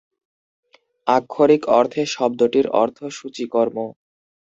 আক্ষরিক অর্থে, শব্দটির অর্থ সূচিকর্ম।